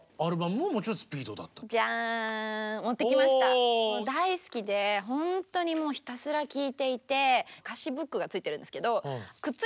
もう大好きでほんとにもうひたすら聴いていて歌詞ブックがついてるんですけどくっついてるんですけど本来。